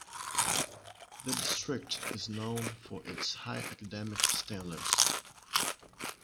The district is known for its high academic standards.